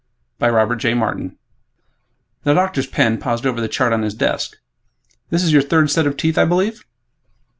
by Robert J. Martin The doctor's pen paused over the chart on his desk, "This is your third set of teeth, I believe?"